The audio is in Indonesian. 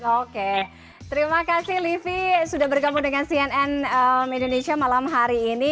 oke terima kasih livi sudah bergabung dengan cnn indonesia malam hari ini